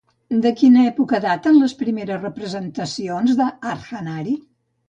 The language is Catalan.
De quina època daten les primeres representacions d'Ardhanari?